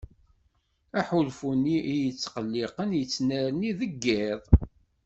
Aḥulfu-nni iyi-ittqelliqen yettnerni deg yiḍ.